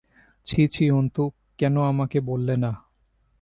ছি ছি অন্তু, কেন আমাকে বললে না?